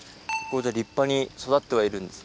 立派に育ってはいるんです。